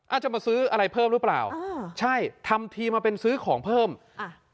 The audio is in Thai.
อาจจะมาซื้ออะไรเพิ่มหรือเปล่าอ่าใช่ทำทีมาเป็นซื้อของเพิ่มอ่า